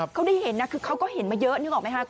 เขาได้เห็นนะคือเขาก็เห็นมาเยอะนึกออกไหมคะ